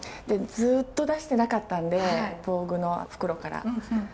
でずっと出してなかったんで防具の袋から。